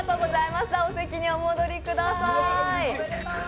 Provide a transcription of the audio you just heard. お席にお戻りください。